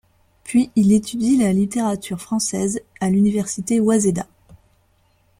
Puis il étudie la littérature française à l'université Waseda.